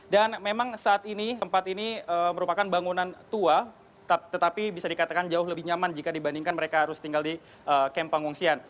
dan memang saat ini tempat ini merupakan bangunan tua tetapi bisa dikatakan jauh lebih nyaman jika dibandingkan mereka harus tinggal di kem pengungsian